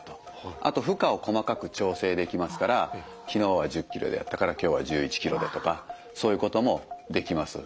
あと負荷を細かく調整できますから昨日は１０キロでやったから今日は１１キロでとかそういうこともできます。